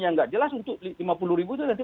yang nggak jelas untuk lima puluh ribu itu nanti